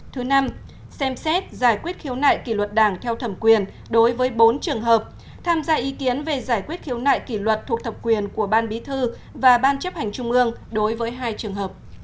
thứ năm xem xét giải quyết khiếu nại kỷ luật đảng theo thẩm quyền đối với bốn trường hợp tham gia ý kiến về giải quyết khiếu nại kỷ luật thuộc thẩm quyền của ban bí thư và ban chấp hành trung ương đối với hai trường hợp